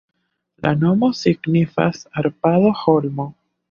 La nomo signifas Arpado-holmo.